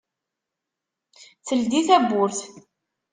Teldi tawwurt.